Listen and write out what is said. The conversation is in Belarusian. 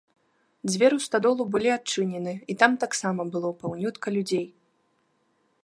Дзверы ў стадолу былі адчынены, і там таксама было паўнютка людзей.